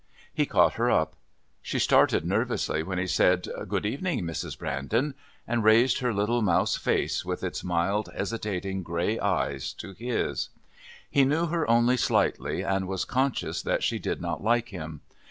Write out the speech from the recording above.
He caught her up. She started nervously when he said, "Good evening, Mrs. Brandon," and raised her little mouse face with its mild, hesitating, grey eyes to his. He knew her only slightly and was conscious that she did not like him.